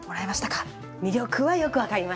魅力はよく分かりました。